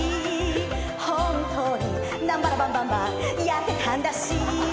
「本当にナンバラバンバンバンやってたんだし」